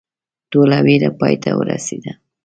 ټوله ویره پای ته ورسېده.